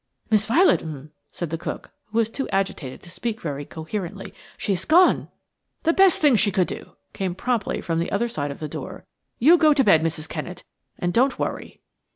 "Miss Violet, 'm," said the cook, who was too agitated to speak very coherently, "she is gone–" "The best thing she could do," came promptly from the other side of the door. "You go to bed, Mrs. Kennett, and don't worry."